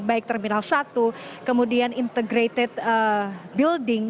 baik terminal satu kemudian integrated building